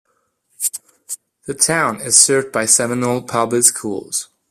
The town is served by Seminole Public Schools.